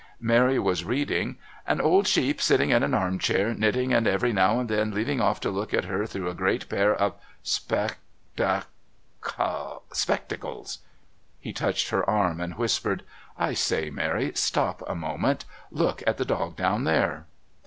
Mary was reading...! "'an old Sheep, sitting in an arm chair, knitting, and every now and then leaving off to look at her through a great pair of spec t a c les spectacles!'" He touched her arm and whispered: "I say, Mary, stop a minute look at that dog down there."